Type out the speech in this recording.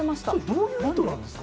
どういう意図なんですか？